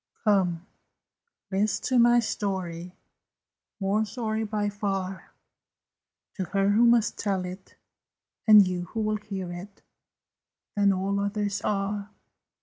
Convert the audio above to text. Come, list to my story, More sorry, by far, To her who must tell it, And you who will hear it, Than all others are!